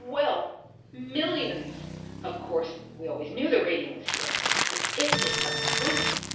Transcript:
"Wealth! Millions! Of course we always knew the radium was here, but this is the proof.